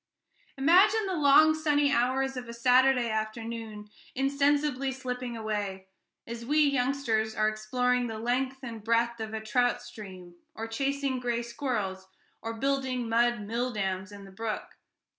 Imagine the long sunny hours of a Saturday afternoon insensibly slipping away, as we youngsters are exploring the length and breadth of a trout stream, or chasing gray squirrels, or building mud milldams in the brook.